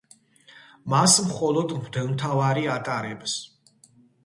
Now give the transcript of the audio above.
მას მხოლოდ მღვდელმთავარი ატარებს.